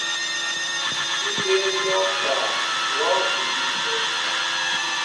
Si béél docta worki di tóm.